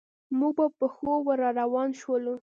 موږ په پښو ور روان شولو.